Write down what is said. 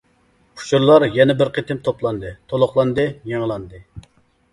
ئۇچۇرلار يەنە بىر قېتىم توپلاندى، تولۇقلاندى، يېڭىلاندى.